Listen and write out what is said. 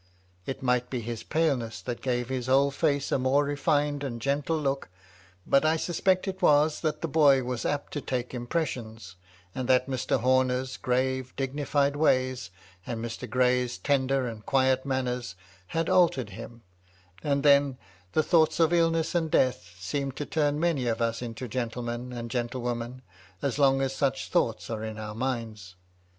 It might be his paleness that gave his whole face a more refined and gentle look ; but I suspect it was that the boy was apt to take impressions, and that Mr. Homer's grave, dignified ways, and Mr. Gray's tender and quiet manners, had altered him ; and then the thoughts of 284 MY LADY LUDLOW. illness and death seem to turn many of us into gentlemen, and gentlewomen, as long as such thoughts are in our minds.